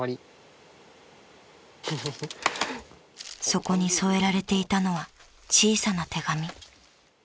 ［そこに添えられていたのは小さな手紙］